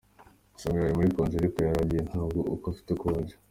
Gusa ngo yari muri konji, ariko yaragiye ntabwo ari uko afite konji.